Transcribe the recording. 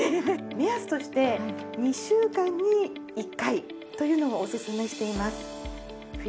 目安として２週間に１回というのをおすすめしています。